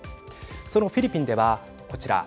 そのフィリピンではこちら。